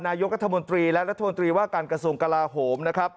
นายกรัฐมนตรีและรัฐมนตรีว่าการกระทรวงกลาโหมนะครับ